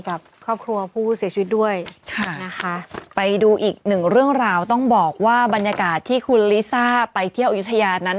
ค่ะนะคะไปดูอีกหนึ่งเรื่องราวต้องบอกว่าบรรยากาศที่คุณลิซ่าไปเที่ยวอยุธยานั้น